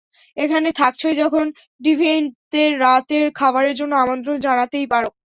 এখানে থাকছই যখন, ডিভিয়েন্টদের রাতের খাবারের জন্য আমন্ত্রণ জানাতেই পারো।